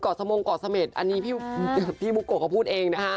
ก่อสมงค์ก่อสเมษอันนี้พี่บุกโกะเขาพูดเองนะฮะ